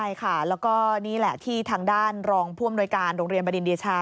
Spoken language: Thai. ใช่ค่ะแล้วก็นี่แหละที่ทางด้านรองผู้อำนวยการโรงเรียนบดินเดชา